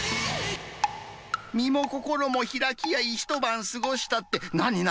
身も心も開き合い、一晩過ごしたって、何々？